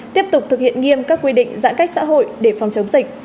tiếp tục thực hiện nghiêm các quy định giãn cách xã hội để phòng chống dịch